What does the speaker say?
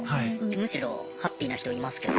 むしろハッピーな人いますけど。